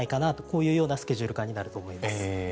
こういうようなスケジュール感になると思います。